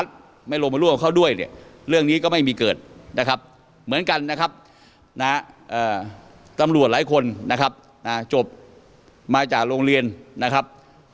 ตำรวจหลายคนนะครับจบมาจากโรงเรียนนะครับ